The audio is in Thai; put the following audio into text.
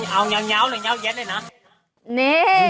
เอายาวเย็นเลยนะ